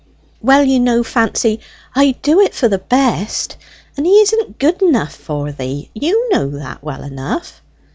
"Well, you know, Fancy, I do it for the best, and he isn't good enough for thee. You know that well enough."